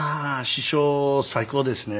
師匠最高ですね